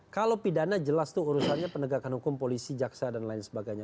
kalau pidana jelas itu urusannya penegakan hukum polisi jaksa dan lain sebagainya